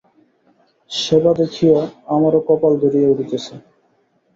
সেবা দেখিয়া আমারও কপাল ধরিয়া উঠিতেছে।